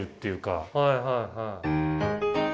はいはいはい。